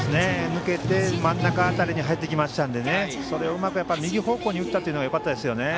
抜けて、真ん中辺りに入ってきましたのでそれをうまく右方向に打ったというのがよかったですね。